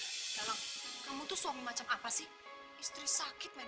tolong kamu tuh suami macam apa sih istri sakit mana